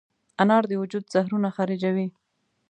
انار د وجود زهرونه خارجوي.